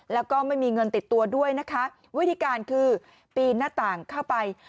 แล้วก็ไม่มีเงินติดตัวด้วยนะคะวิธีการคือปีนหน้าต่างเข้าไป